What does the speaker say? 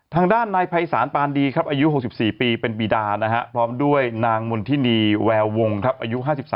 ทางด้านนายภัยศาลปานดีครับอายุ๖๔ปีเป็นปีดานะฮะพร้อมด้วยนางมณฑินีแวววงครับอายุ๕๓